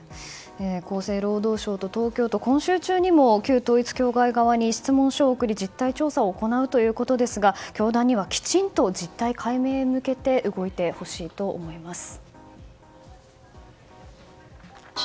厚生労働省と東京都は今週中にも旧統一教会側に質問書を送り実態調査を行うということですが教団にはきちっと実態解明へ向けて動いてほしいと思います。